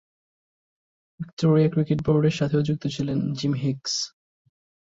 Victoria cricket বোর্ডের সাথেও যুক্ত ছিলেন জিম হিগস।